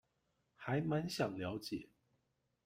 還滿想了解